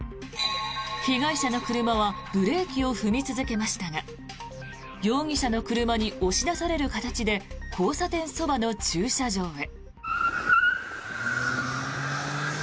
被害者の車はブレーキを踏み続けましたが容疑者の車に押し出される形で交差点そばの駐車場へ。